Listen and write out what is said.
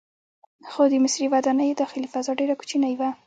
خو د مصري ودانیو داخلي فضا ډیره کوچنۍ وه.